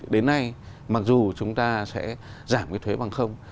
đến nay mặc dù chúng ta sẽ giảm cái thuế bằng không